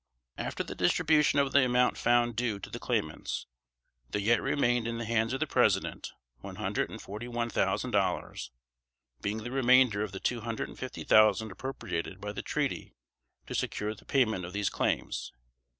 After the distribution of the amount found due to the claimants, there yet remained in the hands of the President one hundred and forty one thousand dollars, being the remainder of the two hundred and fifty thousand appropriated by the treaty to secure the payment of these claims.